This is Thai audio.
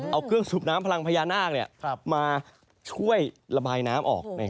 เอาเครื่องสูบน้ำพลังพญานาคมาช่วยระบายน้ำออก